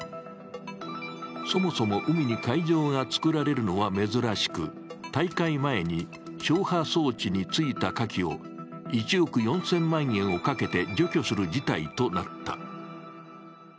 そもそも海に海上が造られるのは珍しく、大会前に消波装置についたかきを１億４０００万円をかけて除去する事態となった。